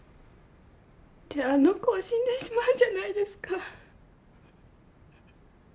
じゃああの子は死んでしまうじゃないですか。